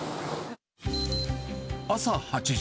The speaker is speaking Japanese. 朝８時。